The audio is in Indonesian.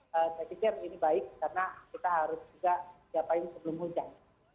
saya pikir ini baik karena kita harus juga diapain sebelum hujan